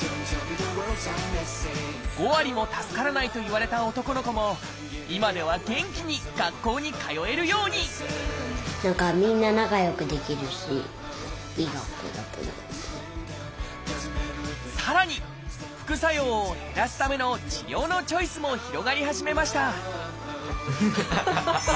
５割も助からないといわれた男の子も今では元気に学校に通えるようにさらに副作用を減らすための治療のチョイスも広がり始めましたハハハハ！